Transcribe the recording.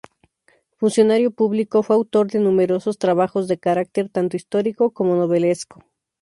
Funcionario público, fue autor de numerosos trabajos de carácter tanto histórico como novelesco.